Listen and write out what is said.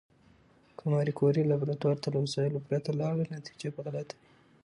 که ماري کوري لابراتوار ته له وسایلو پرته لاړه، نتیجه به غلطه وي.